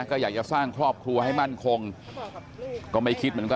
ก็อยากจะสร้างครอบครัวให้มั่นคงก็ไม่คิดเหมือนกัน